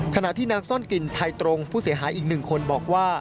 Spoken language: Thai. ขณะที่นางซ่อนกลิ่นไทยตรงผู้เสียหายอีก๑คนบอกว่า